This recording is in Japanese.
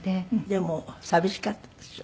でも寂しかったでしょ？